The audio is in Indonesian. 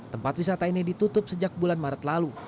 tempat wisata ini ditutup sejak bulan maret lalu